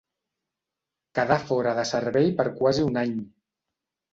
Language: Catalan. Quedà fora de servei per quasi un any.